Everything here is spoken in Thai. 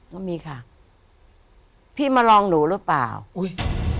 ก็มีค่ะพี่มาลองหนูหรือเปล่าอุ้ย